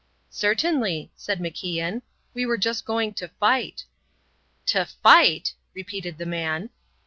"Certainly," said MacIan. "We were just going to fight." "To fight!" repeated the man.